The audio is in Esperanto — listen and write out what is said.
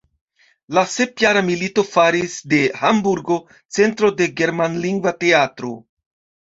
La Sepjara milito faris de Hamburgo centro de germanlingva teatro.